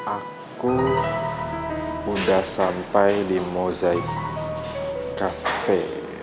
aku udah sampai di mozaik cafe